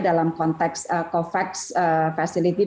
dalam konteks covax facility